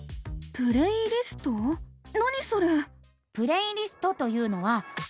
何それ？